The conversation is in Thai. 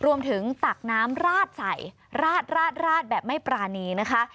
ตักน้ำราดใส่ราดแบบไม่ปรานีนะคะ